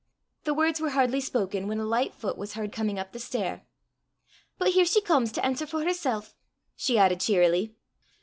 The words were hardly spoken when a light foot was heard coming up the stair. " But here she comes to answer for hersel'!" she added cheerily.